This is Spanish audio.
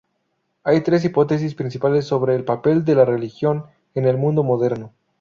Hay tres hipótesis principales sobre el papel de la religión en el mundo moderno.